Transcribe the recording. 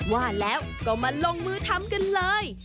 ว่าแล้วก็มาลงมือทำกันเลย